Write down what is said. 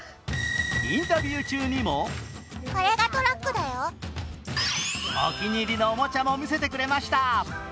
インタビュー中にもお気に入りのおもちゃを見せてくれました。